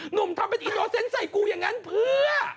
หนุ่มทำเป็นอีโนเซนต์ใส่กูอย่างนั้นเพื่อ